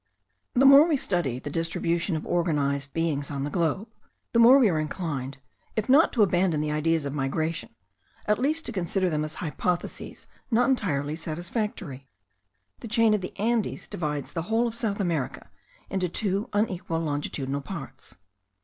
The more we study the distribution of organized beings on the globe, the more we are inclined, if not to abandon the ideas of migration, at least to consider them as hypotheses not entirely satisfactory. The chain of the Andes divides the whole of South America into two unequal longitudinal parts.